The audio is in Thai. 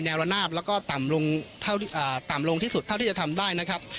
ระนาบแล้วก็ต่ำลงต่ำลงที่สุดเท่าที่จะทำได้นะครับ